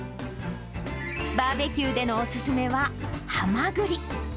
バーベキューでのお勧めはハマグリ。